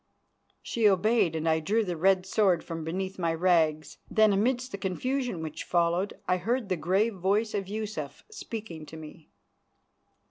She obeyed, and I drew the red sword from beneath my rags. Then, amidst the confusion which followed, I heard the grave voice of Yusuf speaking to me.